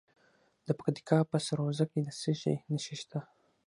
د پکتیکا په سروضه کې د څه شي نښې دي؟